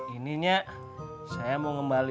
ininya saya mau kembali ke rumah